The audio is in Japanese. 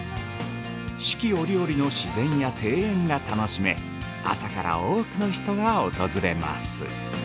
四季折々の自然や庭園が楽しめ、朝から多くの人が訪れます。